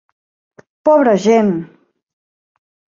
Pobra gent!